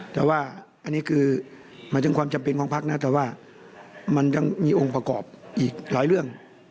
แต่ว่าอันนี้คือหมายถึงความจำเป็นของพักนะแต่ว่ามันยังมีองค์ประกอบอีกหลายเรื่อง